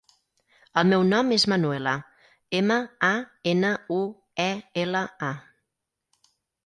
El meu nom és Manuela: ema, a, ena, u, e, ela, a.